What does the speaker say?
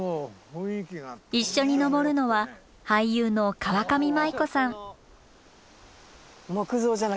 一緒に登るのは俳優の川上麻衣子さん。